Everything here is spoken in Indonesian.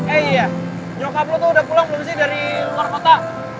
eh iya jokaplu tuh udah pulang belum sih dari luar kota